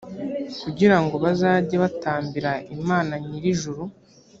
kugira ngo bazajye batambira imana nyir ijuru